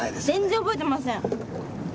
全然覚えてません。